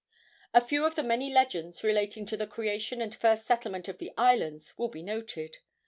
A few of the many legends relating to the creation and first settlement of the islands will be noted.